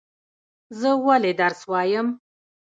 زه ولی درس وایم؟